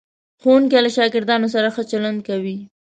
ښوونکی له شاګردانو سره ښه چلند کوي.